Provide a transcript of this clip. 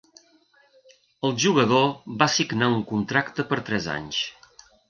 El jugador va signar un contracte per tres anys.